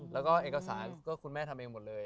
แล้วก็เอกสารก็คุณแม่ทำเองหมดเลย